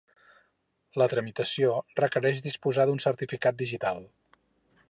La tramitació requereix disposar d'un certificat digital.